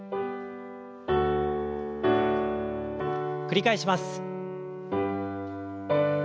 繰り返します。